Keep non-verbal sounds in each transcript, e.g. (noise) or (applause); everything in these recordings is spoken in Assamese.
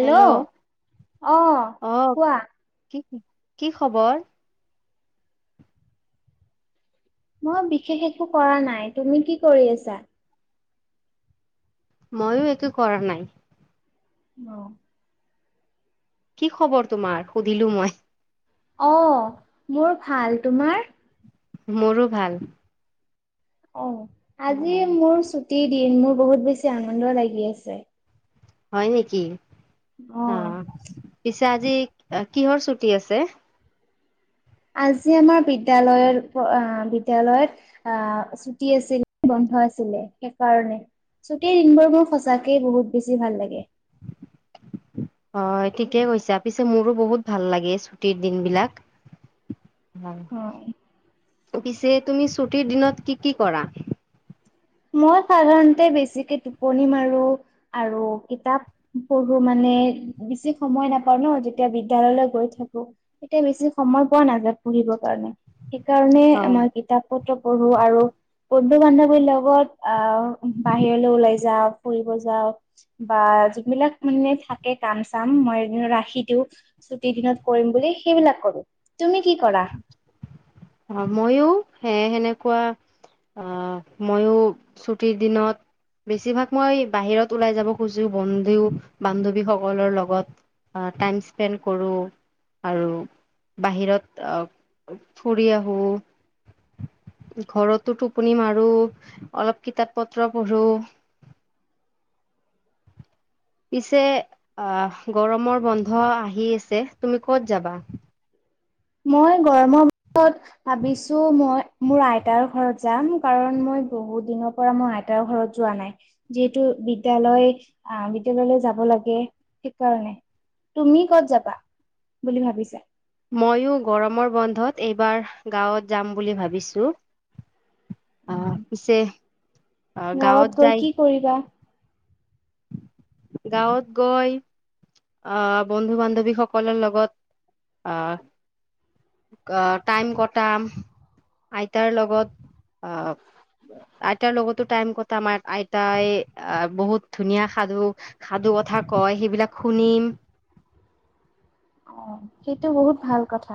হেল্ল' অ আহ কোৱা কি কি খবৰ? মই বিশেষ একো কৰা নাই তুমি কি কৰি আছা মইও একো কৰা নাই অ কি খবৰ তোমাৰ সুধিলো মই অ মোৰ ভাল তোমাৰ মোৰো ভাল। অ অ আজি মোৰ ছুটিৰ দিন মোৰ বহুত বেছি আনন্দ লাগি আছে হয় নেকি অ পিছে আজি কিহৰ ছুটি আছে আজি আমাৰ বিদ্যালয়ত বিদ্যালয়ত ছুটি আছিল। হৈছিলে সেইকাৰণে ছুটিৰ দিনবোৰ মোৰ সঁচাকে বহুত বেছি ভাল লাগে (inaudible) হয় ঠিকে কৈছা পিছে মোৰো বহুত ভাল লাগে ছুটিৰ দিন বিলাক অ পিছে তুমি ছুটিৰ দিনত কি কি কৰা মই সাধাৰণতে বেছিকে টোপনি মাৰো আৰু কিতাপ পঢ়ো মানে ম বেছি সময় নাপাওঁ ন যেতিয়া বিদ্যালয়লৈ গৈ থাকো তেতিয়া বেছি সময় পোৱা নাযায় পঢ়িব সেইকাৰণে অ মই কিতাপ পত্ৰ পঢ়ো আৰু বন্ধু বান্ধৱীৰ লগত অ বাহিৰলৈ ওলাই যাও ফুৰিব যাও বা যোনিবিলাক মানে থাকে কাম চাম মই ৰাখি দিও ছুটি দিনত কৰিম বুলি সেইবিলাক কৰো তুমি কি কৰা অ মইয়ো সে সেনেকুৱা আহ মইয়ো ছুটিৰ দিনত বেছিভাগ মই বাহিৰত ওলাই যাব খুজো বন্ধু বান্ধৱীসকলৰ লগত টাইম স্পেণ্ড কৰোঁ আৰু বাহিৰত আহ ফুৰি আহোঁ। ঘৰতো টোপনি মাৰো, অলপ কিতাপ পত্ৰ পঢ়োঁ। (inaudible) পিছে আহ গৰমৰ বন্ধ আহি আছে তুমি কত যাবা? মই গৰমৰ বন্ধত ভাবিছোঁ মই মোৰ আইতাৰ ঘৰত যাম। কাৰণ মই বহুত দিনৰ পৰা মই আইতাৰ ঘৰত যোৱা নাই। যিহেতু বিদ্যালয় আহ বিদ্যয়ালয়লৈ যাব লাগে সেইকাৰণে তুমি ক'ত যাবা বুলি ভাবিছা? ময়ো গৰমৰ বন্ধত এইবাৰ গাঁৱত যাম বুলি ভাবিছোঁ। আহ পিছে আহ গাওঁত গাঁৱত গৈ যায়। কি কৰিবা? গাওঁত গৈ আহ বন্ধু বান্ধৱীসকলৰ লগত আহ আহ টাইম কটাম আইতাৰ লগত আহ আইতাৰ লগতো টাইম কটাম আইতাই বহুত ধুনীয়া সাধু সাধু সাধু কথা কয় সেইবিলাক শুনিম। অ' সেইটো বহুত ভাল কথা।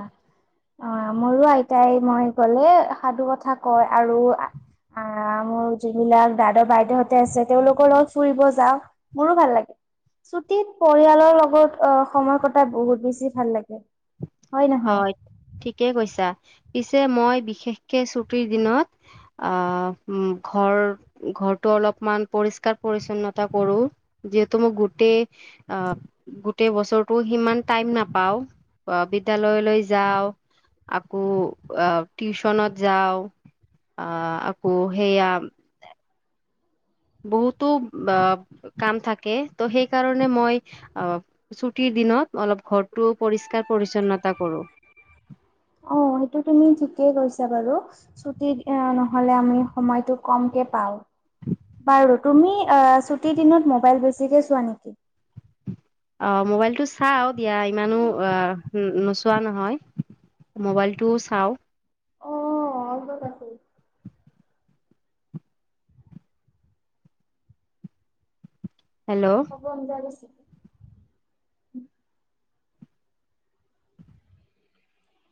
অ' মোৰো আইতাই মই গ'লে সাধু কথা কয় আৰু আহ মোৰ যিবিলাক দাদাৰ বাইদেউহঁতে আছে তেওঁওলোকৰ লগত ফুৰিব যাওঁ মোৰো ভাল লাগে। ছুটিত পৰিয়ালৰ লগত আহ সময় কটাই বহুত বেছি ভাল লাগে। হয়, ঠিকেই কৈছা। পিছে মই বিশেষকে চুটিৰ দিনত আহ উম ঘৰ ঘৰটো অলপমান পৰিষ্কাৰ পৰিচ্ছন্নতা কৰোঁ যিহেতু মোৰ গোটেই অ' গোটেই বছৰৰতটো সিমান টাইম নাপাওঁ অ'বিদ বিদ্যালয়লৈ যাওঁ, আকৌ টিউচনত যাওঁ অ' আকৌ হেয়া বহুতো কাম থাকে তোৰ সেইকাৰণে মই অ' ছুটিৰ দিনত অলপ ঘৰটো পৰিষ্কাৰ পৰিচ্ছন্নতা কৰো। অ' সেইটো তুমি ঠিকেই কৈছা বাৰু ছুটি নহ'লে আমি সময়ত কমকে পাওঁ। বাৰু তুমি ছুট দিনত মবাইলত বেছিকে চোৱা নেকি! অঁ মোবাইল টো চাও দিয়া ইমানো অঁ। চোৱা নহয়, মোবাইলটোও চাওঁ। অঁ অঁ লগত আছে। হেল্ল' হ'ব নিবা (unintelligible)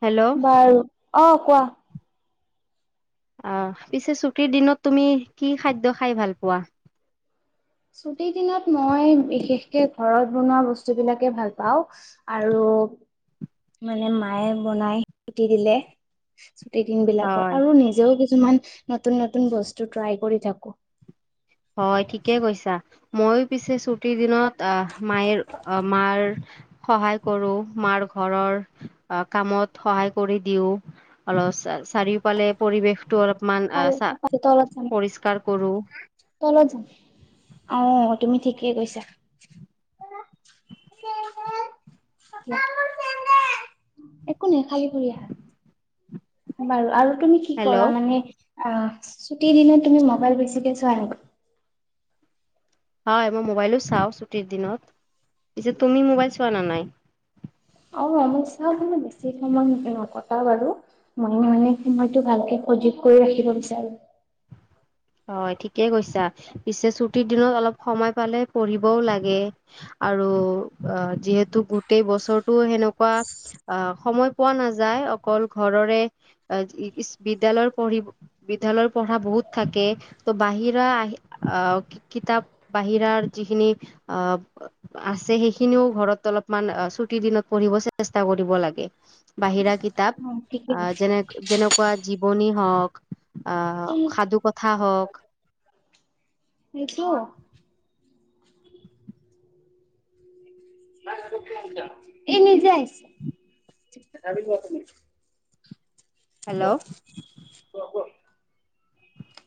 হেল্ল' বাৰু অঁ কোৱা! অ পিছে ছুটীৰ দিনত তুমি কি খাদ্য খাই ভাল পোৱা ছুটিৰ দিনত মই বিশেষকে ঘৰত বনোৱা বস্তু বিলাকে ভাল পাওঁ আৰু অ মানে মায়ে বনাই ছুটি দিলে ছুটিৰ দিন বিলাকত হয় আৰু নিজেও কি কিছুমান নতুন নতুন বস্তু ট্ৰাই কৰি থাকো হয় ঠিকেই কৈছা। মই পিছে ছুটিৰ দিনত আহ মায়ে মাৰ সহায় কৰো মাৰ ঘৰৰ কামত সহায় কৰি দিও অলপ চাৰিওফালে পৰিৱেশ টো অলপমান ভাল চা পালে তলত যাম পৰিষ্কাৰ কৰো। তলত যাম আহ তুমি ঠিকে কৈছা (unintelligible) একো নাই খালী ঘূৰি আহা বাৰু আৰু তুমি কি কৰা হেল্ল' মানে অ ছুটিৰ দিনত তুমি ম ম'বাইল বেছিকে ছোৱা নেকি হয় মই মোবাইলো চাও ছুটিৰ দিনত পিছে তুমি মোবাইল চোৱা নে নাই। অ ম‌ই চাও মানে বেছি সময় নকটাও বাৰু মনে মনে সময়তটো ভালকে অজীক কৰি ৰাখিব বিচাৰো উ হয় ঠিকে কৈছা পিছে ছুটিৰ দিনত অলপ সময় পালে পঢ়িবও লাগে। আৰু অ যিহেতু গোটেই বছৰটো সেনেকুৱা অ সময় পোৱা নাযায় অকল ঘৰৰে বিদ্যালয়ৰ পঢ়িব বিদ্যালয় পঢ়া বহুত থাকে ত' বাহিৰা আহি আহ কিতাপ বাহিৰাৰ যিখিনি আহ আছে সেইখিনিও ঘৰত অলপমান ছুটি দিনত পঢ়িব চেষ্টা কৰিব লাগে বাহিৰা কিতাপ অ ঠিকেই আহ যেনে যেনেকুৱা জীৱনী হওক আহ সাধু কথা কথা হওক সেইটো এ নিজেই হেল্লো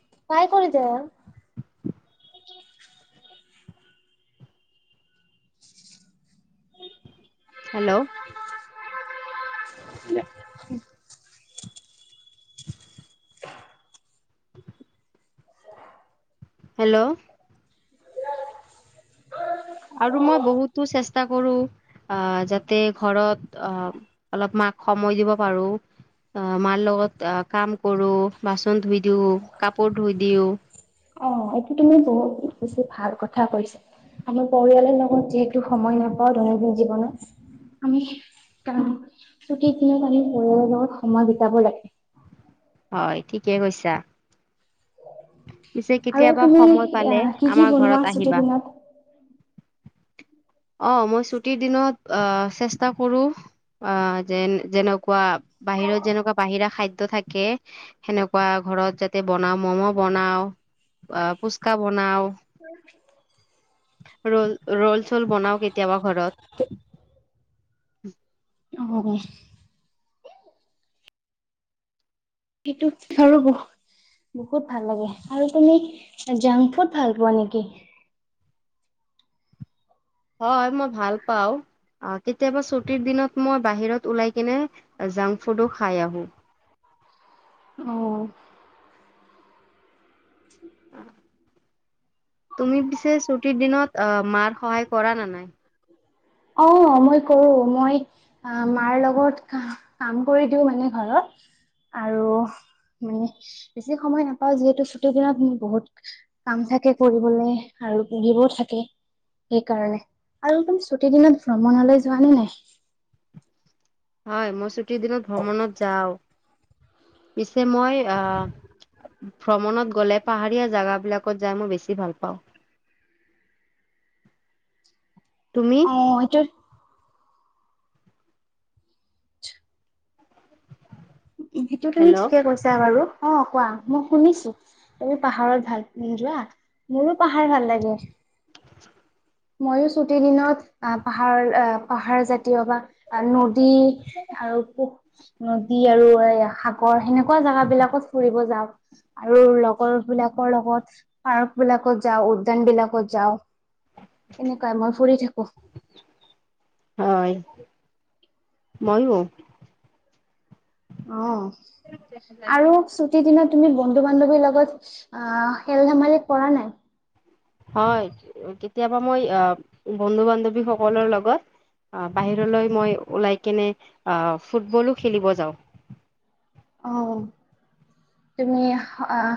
(unintelligible) কৰিছে হেল্ল', দিয়া হেল্লো আৰু মই বহুতো চেষ্টা কৰো অ যাতে ঘৰত অ অলপ সময় দিব পাৰো। আহ মাৰ লগত আহ কাম কৰো বাচন ধুই দিওঁ, কাপোৰ ধুই দিওঁ। অ এইটো তুমি বহুত বেছি ভাল কথা কৈছা আমাৰ পৰিয়ালৰ লগত যিহেতু সময় নাপাওঁ দৈনন্দিন জীৱনত আমি কাম গোটেই দিনত আমি পৰিয়ালৰ লগত সময় বিটাব লাগে। হয় ঠিকে কৈছা পিছে আৰু কেতিয়াবা তুমি সময় পালে আহ কি কি আমাৰ বনোৱা ঘৰত ছুটিৰ আহিবা। দিনত (unintelligible) অ মই ছুটিৰ দিনত আহ চেষ্টা কৰো অ যেন যেনেকুৱা বাহিৰত যেনেকোৱা বাহিৰা খাদ্য থাকে সেনেকোৱা ঘৰত যাতে বনওঁ ম'ম' বনাও অ ফুচকা বনাও উ ৰল ৰল চল বনাও কেতিয়াবা ঘৰত অ সেইটো ধ ৰব বহুত ভাল লাগে আৰু তুমি জাংক ফুড ভাল পোৱা নেকি হয় মই ভাল পাওঁ। আহ কেতিয়াবা ছুটিৰ দিনত মই বাহিৰত ওলাই কিনে জাংক ফুডো খাই আহো অ। তুমি পিছে ছুটিৰ দিনত মাৰ সহায় কৰা নে নাই। (unintelligible) অ মই কৰো মই মাৰ লগত ক কাম কৰি দিওঁ মানে ঘৰত আৰু মানে বেছি সময় নাপাও যিহেতু ছুটি দিনত বহুত কাম থাকে কৰিবলৈ আৰু়িবোৰ থাকে সেইকাৰণে আৰুদুম ছুটি দিনত ভ্ৰমণলৈ যোৱা নে নাই হয় মই ছুটিৰ দিনত ভ্ৰমণত যাও যে মই আহ ভ্ৰমণত গ'লে পাহাৰীয়া জাগাবিলাকত যাই মই বেছি ভাল পাওঁ। (inaudible) অ', এইটো এইটো তুমি হেল্ল' ঠিকে কৈছা বাৰু, অ, কোৱা। মই শুনিছো তুমি পাহাৰত ভাল যোৱা মোৰো পাহাৰ ভাল লাগে। মইয়ো ছুটিৰ দিনত, আহ পাহাৰ-পাহাৰ জাতীয় বা আৰু নদী আৰু পু নদী আৰু এই সাগৰ সেনেকুৱা জাগ বিলাকত ফুৰিব যাওঁ। আৰু লগৰ বিলাকৰ লগত পাৰ্ক বিলাকত যাওঁ উদ্যান বিলাকত যাওঁ। এনেকোৱাই মই ফুৰি থাকোঁ। হয়, মইয়ো। অ', আৰু ছুটি দিনাত তুমি বনো বন্ধু বান্ধৱীৰ লগত, আহ খেল ধেমালি কৰা নাই। হয় কেতিয়াবা মই আহ বন্ধু বান্ধৱীসকলৰ লগত অ', বাহিৰলৈ মই ওলাই কিনে আহ ফুটবলো খেলিব যাওঁ। অ', তুমি, আহ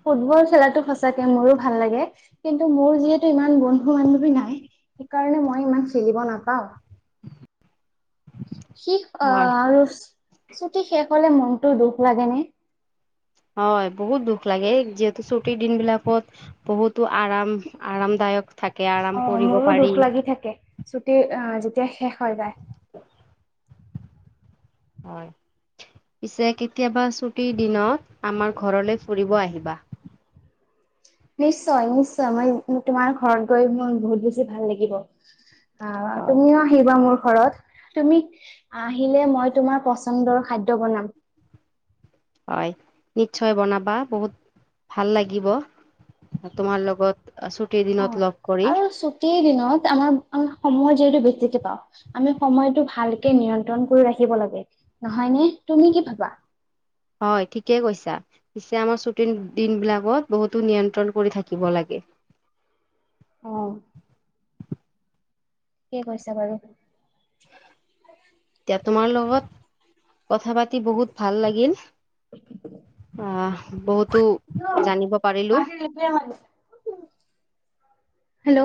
ফুটবল খেলা? টো সঁচাকে, মোৰো ভাল লাগে, কিন্তু মোৰ যিহেতু ইমান বন্ধু বান্ধী নাই, সেইকাৰণ মই (unintelligible) খেলিব নাপাও। শিক্ষ হয় আহ আৰু ছুটি শেষ হলে মনটো দুখ লাগেনে? হয় বহুত দুখ লাগে যিহেতু ছুটিৰ দিন বিলাকত, বহুতো আৰাম আৰামদায়ক থাকে আৰাম অ', কৰিব মোৰো পাৰি দুখ লাগি থাকে, চুটি আহ যে তেতিয়া শেষ হৈ যায়। হয়, পিছে কেতিয়াবা ছুটিৰ দিনত, আমাৰ ঘৰলৈ ফুৰিব আহিবা। নিশ্চয় নিশ্চয় মই তোমাৰ ঘৰত গৈ মোৰ বহুত বেছি ভাল লাগিব। অ হয় তুমিও আহিবা মোৰ ঘৰত, তুমি, আহিলে মই তোমাৰ পচন্দৰ খাদ্য বনাম। হয়, নিশ্চয় বনাবা, বহুত ভাল লাগিব। তোমাৰ লগত, ছুটিৰ দিনত অ' লগ কৰি আৰু ছুটিৰ দিনা (unintelligible) আমাৰ আহ সময় যিহেতু বেছিকে পাওঁ, আমি সময়টো ভালকে নিয়ন্ত্ৰণ কৰি ৰাখিব লাগে। নহয় নি তুমি কি ভাবা? হয়, ঠিকেই কৈছা পিছে আমাৰ ছুটিৰ দিন বিলাকত বহুতো নিয়ন্ত্ৰণ কৰি থাকিব লাগে। (inaudible) অহ। ঠিক আছে বাৰু এতিয়া তোমাৰ লগত কথা পাতি বহুত ভাল লাগিল। আহ বহুতো জানিব পাৰিলো। (inaudible) হেল্ল'